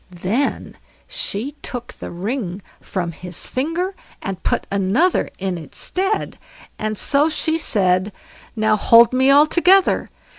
Then she took the ring from his finger, and put another in its stead; and so she said: "Now hold me all together!